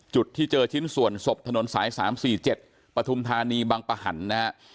จุดที่เจอชิ้นส่วนศพถนนสาย๓๔๗ปฐุมธานีบังปะหันนะฮะ